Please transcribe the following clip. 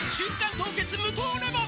凍結無糖レモン」